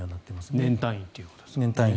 年単位ということですね。